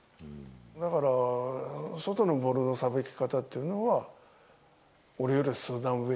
だから外のボールのさばき方というのは、俺より数段上。